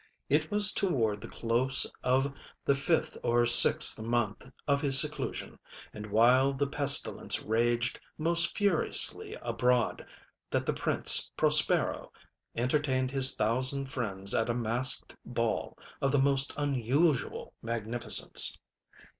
ŌĆØ It was toward the close of the fifth or sixth month of his seclusion, and while the pestilence raged most furiously abroad, that the Prince Prospero entertained his thousand friends at a masked ball of the most unusual magnificence.